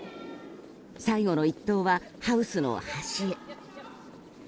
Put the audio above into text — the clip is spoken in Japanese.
最後の１投はハウスの端へ。